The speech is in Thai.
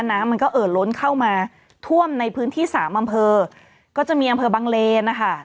น้ำมันก็เอ่อล้นเข้ามาท่วมในพื้นที่สามอำเภอก็จะมีอำเภอบังเลนนะคะ